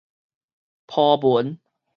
鋪文